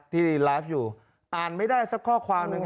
ที่ไลฟ์อยู่อ่านไม่ได้สักข้อความหนึ่ง